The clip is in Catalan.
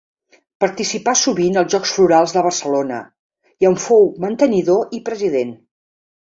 Participà sovint als Jocs Florals de Barcelona, i en fou mantenidor i president.